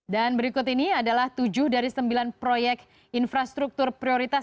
dan berikut ini adalah tujuh dari sembilan proyek infrastruktur prioritas